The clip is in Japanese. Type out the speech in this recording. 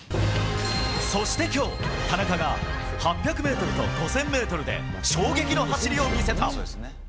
そしてきょう、田中が８００メートルと５０００メートルで、衝撃の走りを見せた。